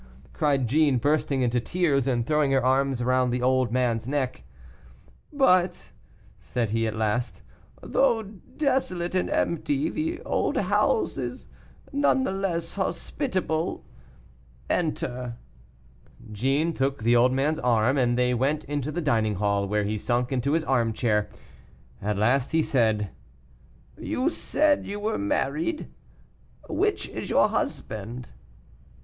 cried Jeanne, bursting into tears, and throwing her arms round the old man's neck. "But," said he at last, "though desolate and empty, the old house is none the less hospitable. Enter." Jeanne took the old man's arm, and they went into the dining hall, where he sunk into his armchair. At last, he said, "You said you were married; which is your husband?"